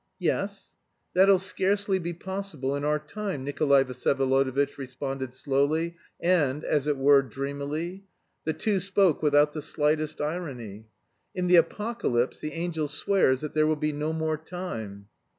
"Yes." "That'll scarcely be possible in our time," Nikolay Vsyevolodovitch responded slowly and, as it were, dreamily; the two spoke without the slightest irony. "In the Apocalypse the angel swears that there will be no more time."